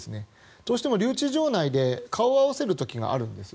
どうしても留置場内で顔を合わせる時があるんですよ。